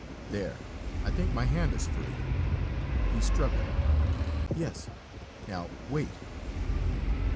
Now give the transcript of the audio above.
"There! I think my hand is free!" He struggled. "Yes. Now wait!"